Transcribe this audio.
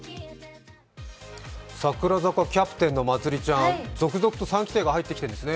櫻坂キャプテンのまつりちゃん続々と三期生が入ってきてるんですね。